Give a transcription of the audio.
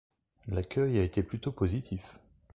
L'accueil a été plutôt positif.